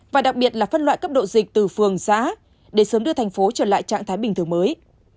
và đặc biệt là phân loại cấp độ dịch từ phường xã để sớm đưa thành phố trở lại trạng thái bình thường mới